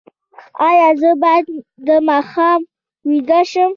ایا زه باید د ماښام ویده شم؟